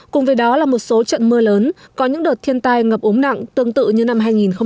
cùng với đó là một số trận mưa lớn có những đợt thiên tai ngập ốm nặng tương tự như năm hai nghìn hai mươi